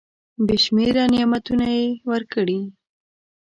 بي شمیره نعمتونه یې ورکړي .